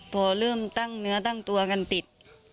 พอเริ่มตั้งเนื้อตั้งตัวกันติด